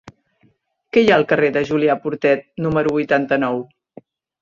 Què hi ha al carrer de Julià Portet número vuitanta-nou?